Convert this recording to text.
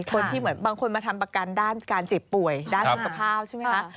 คนที่เหมือนบางคนมาทำประกันด้านการเจ็บป่วยด้านสุขภาพใช่ไหมคะ